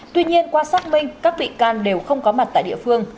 tuy nhiên qua xác minh các vị can đều không có mặt tại địa phương